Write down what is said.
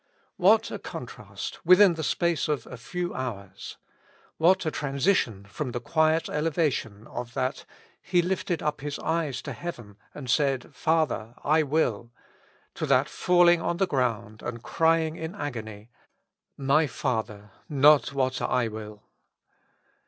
WHAT a contrast within the space of a few hours ! What a transition from the quiet elevation of that, *' He lifted up His eyes to heaven, and said, Father ! I will," to that falling on the ground and crying in agony, "My Father ! not what I will."